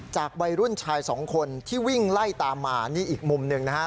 จากวัยรุ่นชายสองคนที่วิ่งไล่ตามมานี่อีกมุมหนึ่งนะฮะ